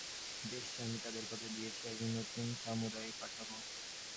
বেশ, আমি তাদের কথা দিয়েছি একজন নতুন সামুরাই পাঠাবো।